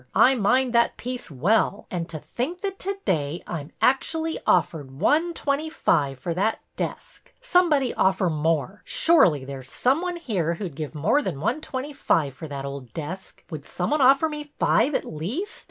I mind that piece well. An' to think that to day I 'm acshally offered one twenty five for that desk ! Somebody offer more. Shorely there 's some one here who 'd give more than one twenty five for that old desk. Won't some one offer me five, at least?